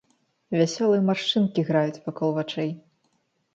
Вясёлыя маршчынкі граюць вакол вачэй.